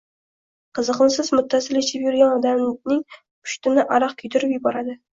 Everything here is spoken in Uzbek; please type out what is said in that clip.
Qiziqmisiz, muttasil ichib jurgan odamding pushtini araq kuydirib juboradi